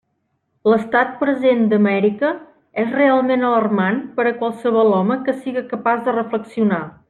L'estat present d'Amèrica és realment alarmant per a qualsevol home que siga capaç de reflexionar.